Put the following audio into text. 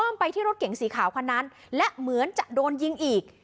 ไปที่รถเก๋งสีขาวคันนั้นและเหมือนจะโดนยิงอีก